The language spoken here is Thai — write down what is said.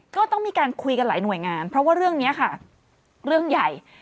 ก็ต้องมีการคุยกันหลายหน่วยงานเพราะว่าเรื่องนี้ค่ะเรื่องใหญ่